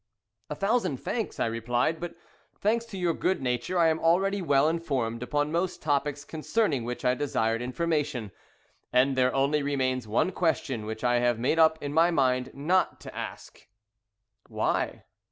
"A thousand thanks," I replied; "but, thanks to your good nature, I am already well informed upon most topics concerning which I desired information, and there only remains one question, which I have made up my mind not to ask." "Why?"